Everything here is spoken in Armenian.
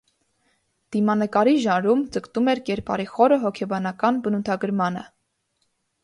Դիմանկարի ժանրում ձգտում էր կերպարի խորը հոգեբանական բնութագրմանը։